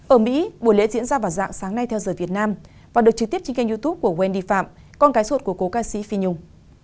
ở mỹ buổi lễ diễn ra vào dạng sáng nay theo giờ việt nam và được trực tiếp trên kênh youtube của wendy phạm con cái ruột của cố ca sĩ phi nhung